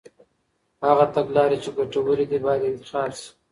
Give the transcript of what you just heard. هغه تګلاري چي ګټورې دي، بايد انتخاب سي.